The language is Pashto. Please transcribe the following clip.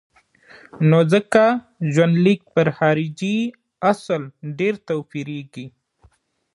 نو ځکه ژوندلیک پر خارجي اصل ډېر توپیرېږي.